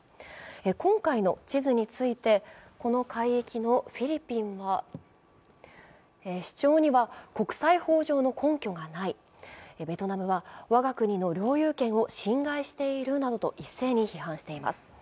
今回の地図について、この海域のフィリピンは主張には国際法上の根拠はない、ベトナムは、我が国の領有権を侵害しているなどと、一斉に批判しています